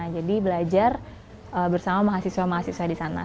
jadi belajar bersama mahasiswa mahasiswa di sana